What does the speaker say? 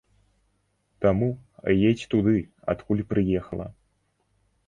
Таму, едзь туды, адкуль прыехала.